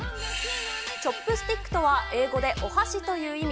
チョップスティックとは、英語でお箸という意味。